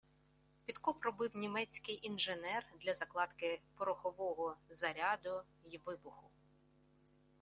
Підкоп робив німецький інженер для закладки порохового заряду й вибуху